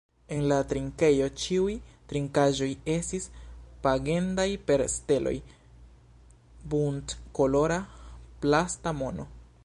En la trinkejo ĉiuj trinkaĵoj estis pagendaj per steloj, buntkolora plasta mono.